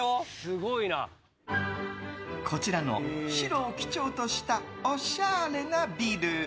こちらの白を基調としたおしゃれなビル。